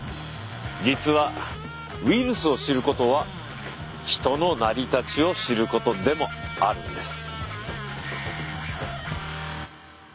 実はウイルスを知ることはヒトの成り立ちを知ることでもあるんです。